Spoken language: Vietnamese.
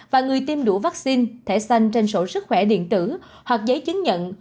và người tiêm đủ vaccine thẻ xanh trên sổ sức khỏe điện tử hoặc giấy chứng nhận